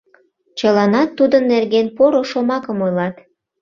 Чыланат тудын нерген поро шомакым ойлат.